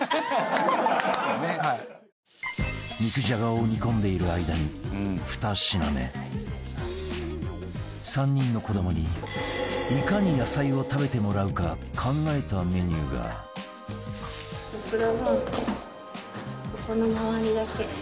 肉じゃがを煮込んでいる間に２品目３人の子どもにいかに野菜を食べてもらうか考えたメニューが藤本：オクラのここの周りだけ。